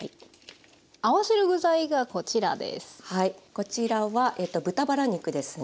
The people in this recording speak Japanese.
こちらは豚バラ肉ですね